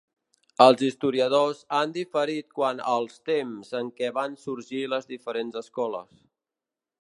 Els historiadors han diferit quant als temps en què van sorgir les diferents escoles.